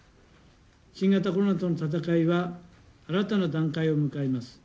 新型コロナとの闘いは、新たな段階を迎えます。